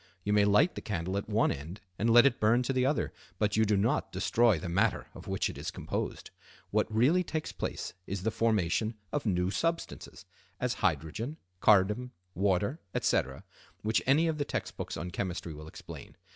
You may light the candle at one end and let it burn to the other, but you do not destroy the matter of which it is composed. What really takes place is the formation of new substances, as hydrogen, carbon, water, etc., which any of the text books on chemistry will explain.